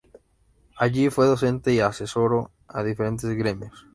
Allí fue docente y asesoró a diferentes gremios.